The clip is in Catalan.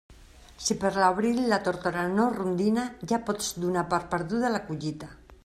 Si per l'abril la tórtora no rondina, ja pots donar per perduda la collita.